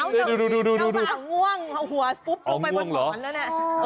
เฉ่าจับตาหง่วงหัวฝุบลงไปบนหน่อนแล้วเนี่ย